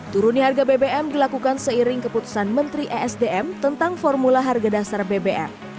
turunnya harga bbm dilakukan seiring keputusan menteri esdm tentang formula harga dasar bbm